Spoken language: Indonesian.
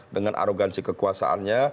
dengan arogansi kekuasaannya